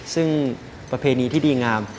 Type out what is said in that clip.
ซึ่งประเพณีที่ดีงาม